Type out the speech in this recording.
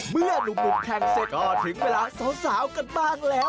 หนุ่มแข่งเสร็จก็ถึงเวลาสาวกันบ้างแล้ว